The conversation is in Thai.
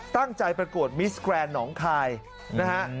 ตั้งใจประกวดมิสแกรนด์น้องคายนะฮะ